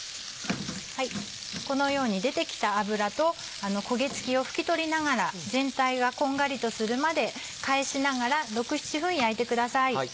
このように出てきた脂と焦げつきを拭き取りながら全体がこんがりとするまで返しながら６７分焼いてください。